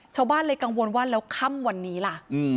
ชาวบ้านเลยกังวลว่าแล้วค่ำวันนี้ล่ะ